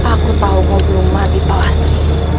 aku tahu kau belum mati pak astri